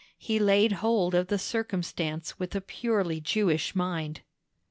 He laid hold of the circumstance with a purely Jewish mind.